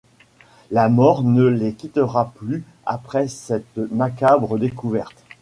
La mort ne les quittera plus après cette macabre découverte…